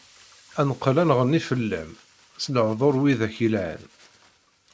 Ad neqqel ad nɣenni fell-am, s lehduṛ wid-ak yelhan.